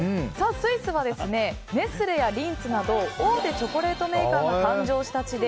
スイスはネスレやリンツなど大手チョコレートメーカーが誕生した地で